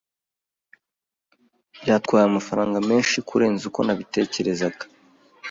Byatwaye amafaranga menshi kurenza uko nabitekerezaga.